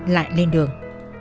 lại lên đường